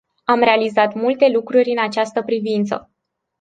Am realizat multe lucruri în această privință.